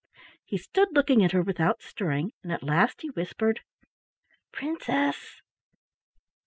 He stood looking at her without stirring, and at last he whispered: "Princess!